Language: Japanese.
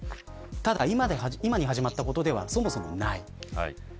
ただ今に始まったことではそもそもない。